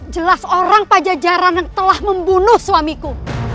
jelas orang pajajaran yang telah membunuh suamiku